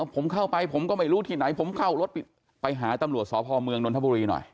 ผมเข้าไปผมก็ไม่รู้ที่ไหนผมเข้ารถไปหาตำรวจสพเมืองนทบุรีหน่อย